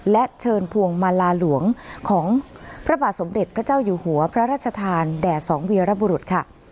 และเชิญพวงมาลาหลวงของพระบาทสมเด็จพระเจ้าอยู่หัวพระราชทานแด่สองเวียรบุรุษค่ะ